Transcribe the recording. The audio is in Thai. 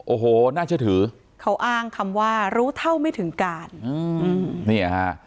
โอ้โหน่าเชื่อถือเขาอ้างคำว่ารู้เท่าไม่ถึงการอืมเนี่ยฮะ